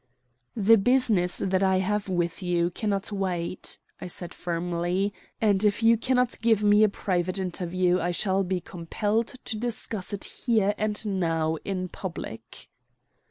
"The business that I have with you cannot wait," I said firmly. "And if you cannot give me a private interview, I shall be compelled to discuss it here and now in public."